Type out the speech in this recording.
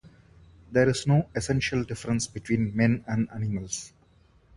There is no essential difference between men and animals.